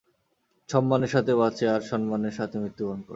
সম্মানের সাথে বাঁচে, আর সম্মানের সাথে মৃত্যুবরণ করে।